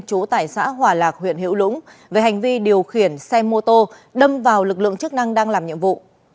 chú tải xã hòa lạc huyện hữu lũng về hành vi điều khiển xe mô tô đâm vào lực lượng chức năng đang làm nhiệm vụ